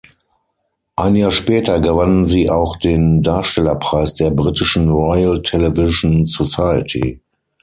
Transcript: Ein Jahr später gewann sie auch den Darstellerpreis der britischen Royal Television Society.